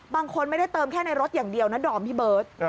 บางคนไม่ได้เติมแค่ในรถอย่างเดียวนะดอมพี่เบิร์ต